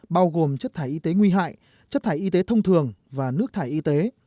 bao gồm chất thải y tế nguy hại chất thải y tế thông thường và nước thải y tế